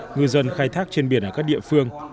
ngư dân khai thác trên biển ở các địa phương